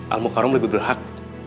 al mukarram lebih berhak